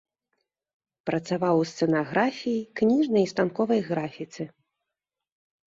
Працаваў у сцэнаграфіі, кніжнай і станковай графіцы.